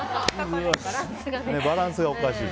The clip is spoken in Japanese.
バランスがおかしいね。